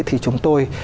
thì chúng tôi